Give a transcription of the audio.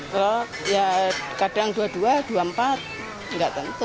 telur ya kadang rp dua puluh dua rp dua puluh empat nggak tentu